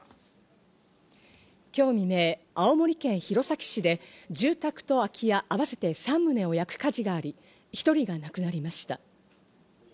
今日未明、青森県弘前市で住宅と空き家合わせて３棟を焼く火事があり、１人が亡くなりました。